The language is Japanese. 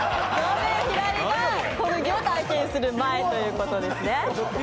左がコルギを体験する前ということですね。